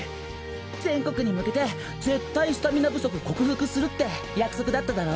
全国に向けて絶対スタミナ不足克服するって約束だっただろ。